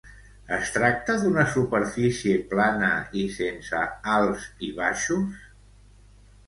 Es tracta d'una superfície plana i sense alts i baixos?